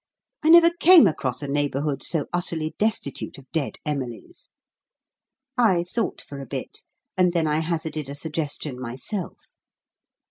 I never came across a neighbourhood so utterly destitute of dead Emilies. I thought for a bit, and then I hazarded a suggestion myself.